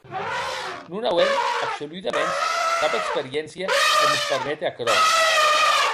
Non auem absoludaments cap experiéncia que mos permete aquerò.